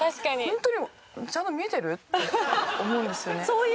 ホントにちゃんと見えてる？って思うんですよね。